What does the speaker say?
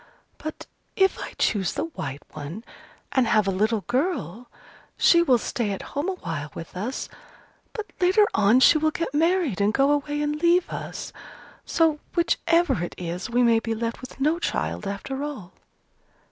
But if I choose the white one, and have a little girl, she will stay at home awhile with us, but later on she will get married and go away and leave us. So, whichever it is, we may be left with no child after all."